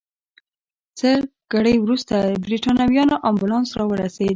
څه ګړی وروسته د بریتانویانو امبولانس راورسېد.